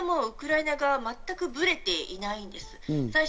それもウクライナ側は全くぶれていないです。